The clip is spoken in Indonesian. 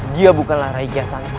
dia bukanlah rai aikian santai